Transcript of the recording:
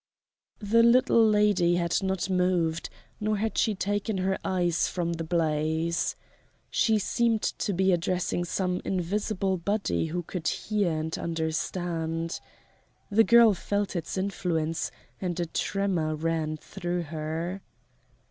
The Littie Lady had not moved, nor had she taken her eyes from the blaze. She seemed to be addressing some invisible body who could hear and understand. The girl felt its influence and a tremor ran through her.